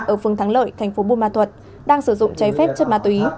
ở phường thắng lợi thành phố bùi ma thuật đang sử dụng trái phép chất ma túy